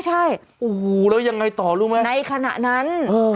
ใช่โอ้โหแล้วยังไงต่อรู้ไหมในขณะนั้น